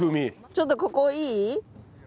ちょっとここいい？